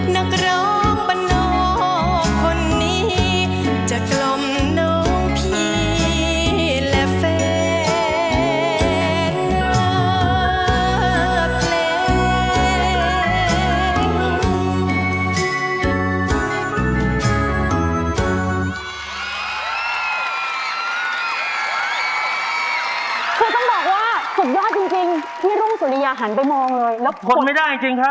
นักร้องปะน้องคนนี้จะกล่อมน้องพี่และแฟนเวอร์เพลง